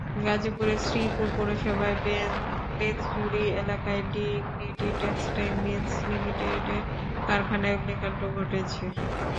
গাজীপুরের শ্রীপুর পৌরসভার বেতজুরী এলাকায় ডিগনিটি টেক্সটাইল মিলস্ লিমিটেডের কারখানায় অগ্নিকাণ্ড ঘটেছে।